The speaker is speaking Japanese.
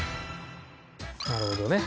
なるほどね。